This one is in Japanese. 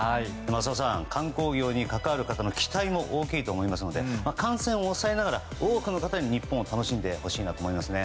浅尾さん、観光業に関わる方の期待も大きいと思いますので感染を抑えながら多くの方に日本を楽しんでほしいなと思いますね。